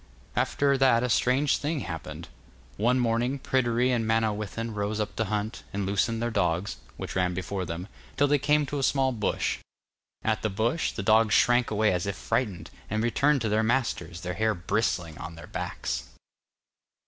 After that a strange thing happened. One morning Pryderi and Manawyddan rose up to hunt, and loosened their dogs, which ran before them, till they came to a small bush. At the bush, the dogs shrank away as if frightened, and returned to their masters, their hair brisling on their backs.